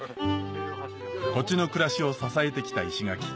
土地の暮らしを支えてきた石垣